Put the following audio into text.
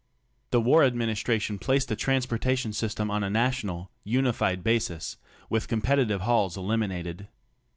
The war administration placed the transportation system on a national, unified basis with competitive hauls eliminated.